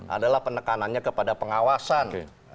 adalah penekanannya kepada pengawasan